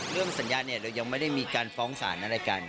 เรื่องสัญญาเนี่ยเรายังไม่ได้มีการฟ้องสารอะไรกัน